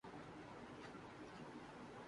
خبرنامے عوامی معلومات کا ایک مؤثر ذریعہ ہیں۔